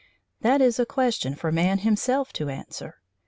That is a question for man himself to answer.